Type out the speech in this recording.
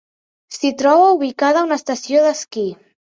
S'hi troba ubicada una estació d'esquí.